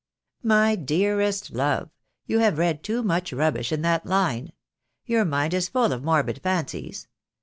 "My dearest love, you have read too much rubbish in that line. Your mind is full of morbid fancies.